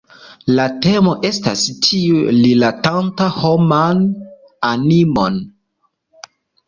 La temo estas tiu rilatanta homan animon.